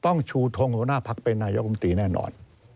ต้องชูทงหัวหน้าภักดิ์ประชาธิปัตย์ไปนายกรุงตรีแน่นอน